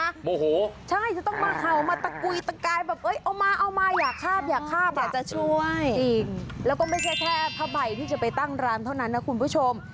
โมโหใช่จะต้องมาเขามาตะกุยตะกายแบบเอามาอยากคาบจ๊ะจะช่วยแล้วก็ไม่แค่พะใบที่จะไปตั้งร้านเท่านั้นนะคุณผู้ชม